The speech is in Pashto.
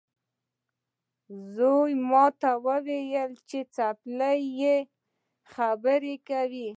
زوی مې ماته وویل چې چپلۍ یې خبرې کوي.